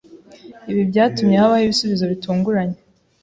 Ibi byatumye habaho ibisubizo bitunguranye.